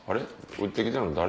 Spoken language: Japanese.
撃ってきたの誰？